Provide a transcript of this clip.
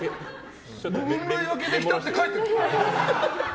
分類分けできたって書いてる！